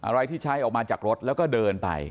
อะไรที่ใช้ออกมาจากรถแล้วก็เดินไป